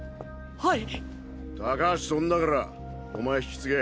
はい。